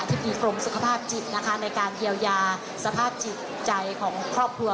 ธิบดีกรมสุขภาพจิตนะคะในการเยียวยาสภาพจิตใจของครอบครัว